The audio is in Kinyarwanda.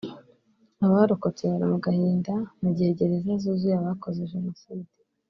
abarokotse bari mu gahinda mu gihe gereza zuzuye abakoze Jenoside